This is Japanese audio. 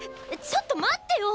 ちょっと待ってよ！